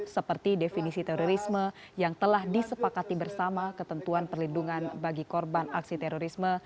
seperti definisi terorisme yang telah disepakati bersama ketentuan perlindungan bagi korban aksi terorisme